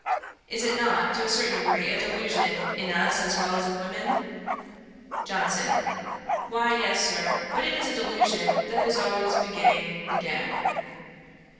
Is it not, to a certain degree, a delusion in us as well as in women?' JOHNSON. 'Why yes, Sir; but it is a delusion that is always beginning again.'